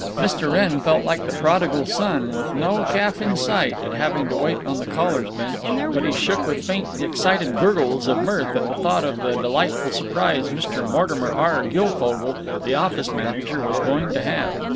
Mr. Wrenn felt like the prodigal son, with no calf in sight, at having to wait on the callers' bench, but he shook with faint excited gurgles of mirth at the thought of the delightful surprise Mr. Mortimer R. Guilfogle, the office manager, was going to have.